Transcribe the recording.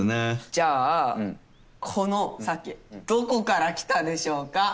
じゃあこの鮭どこから来たでしょうか？